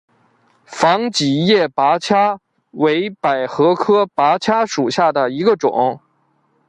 防己叶菝葜为百合科菝葜属下的一个种。